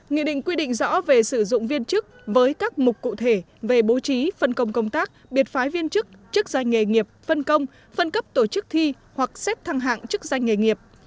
nghị định quy định rõ về sử dụng viên chức với các mục cụ thể về bố trí phân công công tác biệt phái viên chức chức danh nghề nghiệp phân công phân cấp tổ chức thi hoặc xếp thăng hạng chức danh nghề nghiệp